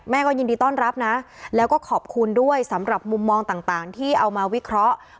ยินดีต้อนรับนะแล้วก็ขอบคุณด้วยสำหรับมุมมองต่างที่เอามาวิเคราะห์